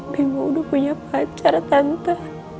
ibu udah punya pacar tante